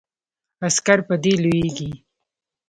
عسکر په دې لویږي.